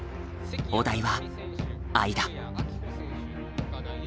お題は「間」。